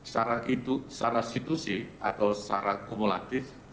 secara situsi atau secara kumulatif